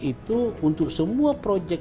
itu untuk semua projek